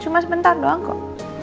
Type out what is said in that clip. cuma sebentar doang kok